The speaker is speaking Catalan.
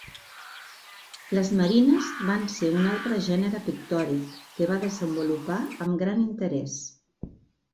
Les marines van ser un altre gènere pictòric que va desenvolupar amb gran interès.